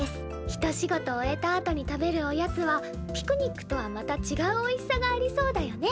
一仕事終えたあとに食べるおやつはピクニックとはまたちがうおいしさがありそうだよね。